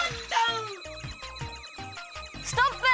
ストップ！